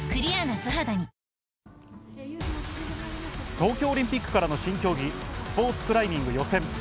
東京オリンピックからの新競技・スポーツクライミング予選。